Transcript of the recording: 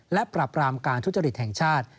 และปรับรามการทุจริตแห่งชาติ